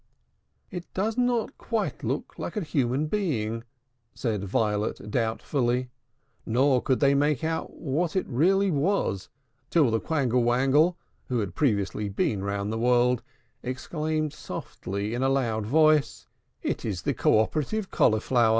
"It does not quite look like a human being," said Violet doubtfully; nor could they make out what it really was, till the Quangle Wangle (who had previously been round the world) exclaimed softly in a loud voice, "It is the co operative Cauliflower!"